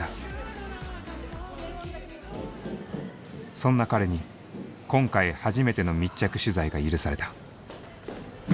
そんな彼に今回初めての密着取材が許された。